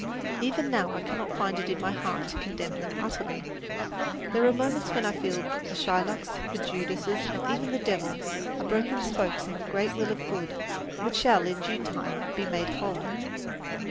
Even now I cannot find it in my heart to condemn them utterly. There are moments when I feel that the Shylocks, the Judases, and even the Devil, are broken spokes in the great wheel of good which shall in due time be made whole.